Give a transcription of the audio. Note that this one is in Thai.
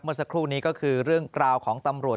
เมื่อสักครู่นี้ก็คือเรื่องกล่าวของตำรวจ